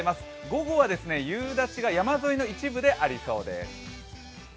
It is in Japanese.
午後は夕立が山沿いの一部でありそうです。